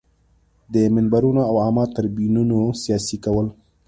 د منبرونو او عامه تریبیونونو سیاسي کول.